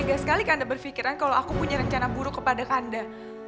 kanda sangat tegak berpikiran kalau aku punya rencana buruk kepada kanda